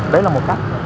đấy là một cách